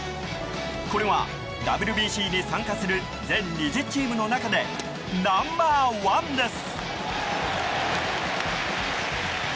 これはＷＢＣに参加する全２０チームの中でナンバー１です。